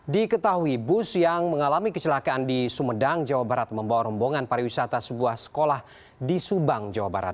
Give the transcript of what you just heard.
diketahui bus yang mengalami kecelakaan di sumedang jawa barat membawa rombongan pariwisata sebuah sekolah di subang jawa barat